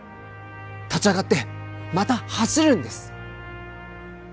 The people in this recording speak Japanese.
立ち上がってまた走るんです！